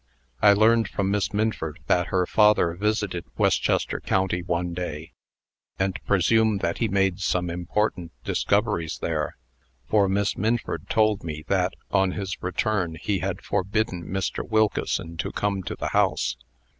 I learned from Miss Minford that her father visited Westchester County one day, and presume that he made some important discoveries there; for Miss Minford told me, that, on his return, he had forbidden Mr. Wilkeson to come to the house.